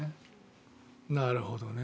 なるほどね。